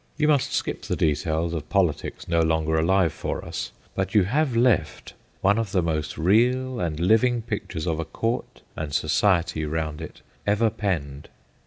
You must skip the details 54 THE GHOSTS OF PICCADILLY of politics no longer alive for us, but you have left one of the most real and living pictures of a Court and society round it ever penned.